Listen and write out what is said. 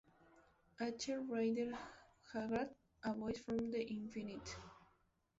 H. Rider Haggard: A Voice from the Infinite.